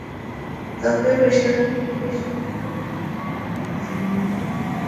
তবে বেসরকারি বিশ্ববিদ্যালয় সমিতি সরকারের কাছে ভ্যাট আরোপের বিষয়টি পুনর্বিবেচনার আহ্বানও জানিয়েছে।